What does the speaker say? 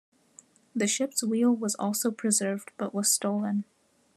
The ship's wheel was also preserved, but was stolen.